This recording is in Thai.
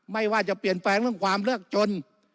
ไม่ว่าจะเปลี่ยนแปลงเรื่องความยากจน